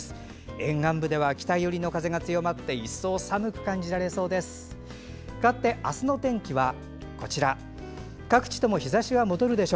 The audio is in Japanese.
沿岸部では北寄りの風が強まって一層寒く感じられそうです。